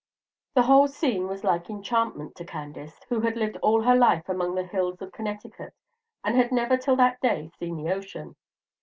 The whole scene was like enchantment to Candace, who had lived all her life among the hills of Connecticut, and had never till that day seen the ocean.